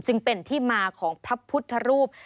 จึงเป็นที่มาของพระพุทธรูป